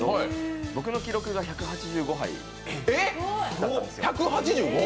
僕の記録が１８５杯だったんですよ。